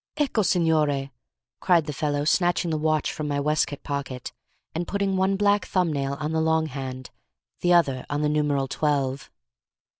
"Ecco, signore!" cried the fellow, snatching the watch from my waistcoat pocket, and putting one black thumb nail on the long hand, the other on the numeral twelve.